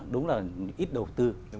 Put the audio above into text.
đúng là ít đầu tư